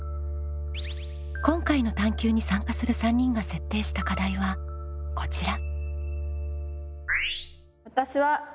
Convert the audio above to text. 今回の探究に参加する３人が設定した課題はこちら。